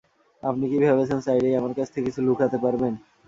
আপনি কি ভেবেছেন চাইলেই আমার কাছ থেকে কিছু লুকাতে পারবেন?